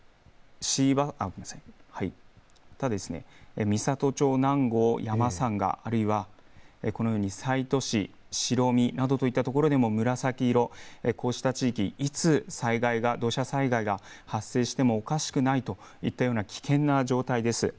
また、美郷町南郷山三ヶ、あるいは西都市、などといったところで、こうした地域、いつ土砂災害が発生してもおかしくないといった危険な状態です。